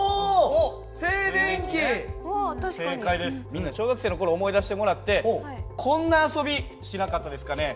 みんな小学生の頃思い出してもらってこんな遊びしなかったですかね？